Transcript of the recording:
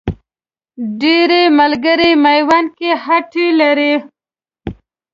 ډېری ملګري میوند کې هټۍ لري.